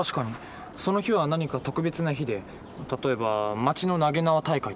その日は何か特別な日で例えば町の投げ縄大会とか。